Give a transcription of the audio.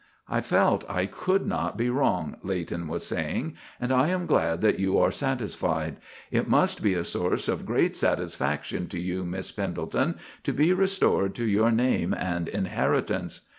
"I felt I could not be wrong," Leighton was saying. "And I am glad that you are satisfied. It must be a source of great satisfaction to you, Miss Pendelton, to be restored to your name and inheritance."